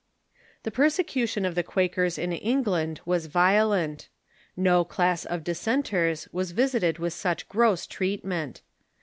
The persecution of the Quakers in England was violent. No class of dissenters was visited with such gross treatment.